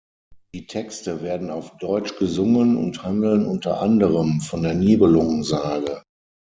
Die Texte werden auf deutsch gesungen und handeln unter anderem von der Nibelungensage.